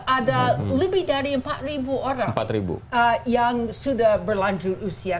ada lebih dari empat orang yang sudah berlanjut usia